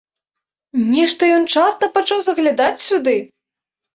Нешта ён часта пачаў заглядаць сюды!